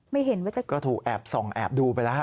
ไม่เห็นว่าจะเกิดก็ถูกแอบส่องแอบดูไปแล้วฮะ